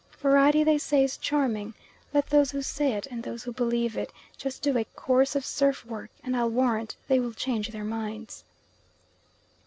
Variety, they say, is charming. Let those who say it, and those who believe it, just do a course of surf work, and I'll warrant they will change their minds.